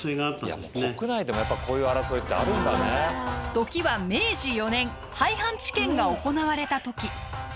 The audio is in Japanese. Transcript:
時は明治４年廃藩置県が行われた時。